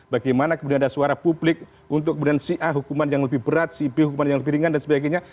bagaimana kemudian ada suara publik untuk kemudian si a hukuman yang lebih berat si b hukuman yang lebih ringan dan sebagainya